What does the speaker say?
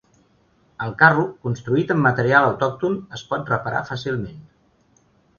El carro, construït amb material autòcton, es pot reparar fàcilment.